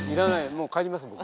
もう帰ります僕。